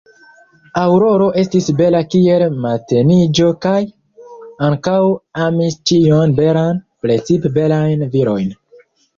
Aŭroro estis bela kiel mateniĝo kaj ankaŭ amis ĉion belan, precipe belajn virojn.